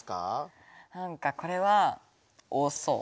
なんかこれは多そう。